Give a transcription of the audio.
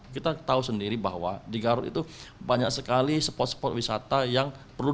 kita tahu sendiri bahwa di garut itu banyak sekali spot spot wisata yang perlu